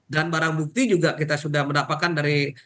dan barang bukti juga kita sudah mendapatkan dari